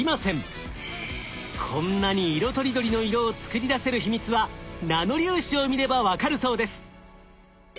こんなに色とりどりの色を作り出せる秘密はナノ粒子を見れば分かるそうです。